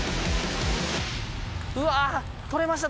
うわ取れました！